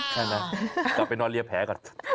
ใช่ไหมกลับไปนอนเรียแผลก่อน